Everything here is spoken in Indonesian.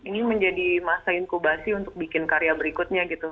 ini menjadi masa inkubasi untuk bikin karya berikutnya gitu